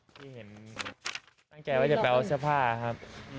ตั้งแต่ว่าจะแปลว่าเสื้อผ้าครับ